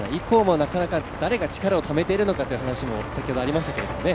なかなか誰が力をためているのかという話も先ほどありましたけどね。